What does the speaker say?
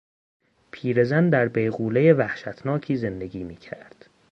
پیرزن در بیغولهی وحشتناکی زندگی میکرد.